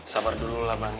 sabar dulu lah bang